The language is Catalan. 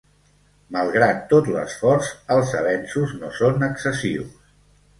Malgrat tot l’esforç, els avenços no són excessius.